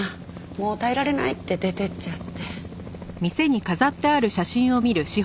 「もう耐えられない」って出て行っちゃって。